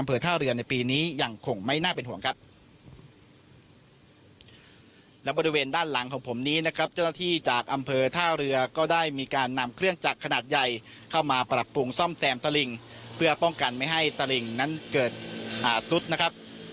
และบริเวณด้านหลังของผมนี้นะครับเจ้าหน้าที่จากอำเภอท่าเรือก็ได้มีการนำเครื่องจักรขนาดใหญ่เข้ามาปรับปรุงซ่อมแซมตะลิงเพื่อป้องกันไม่ให้ตะลิงนั้นเกิดอาสุดนะครับ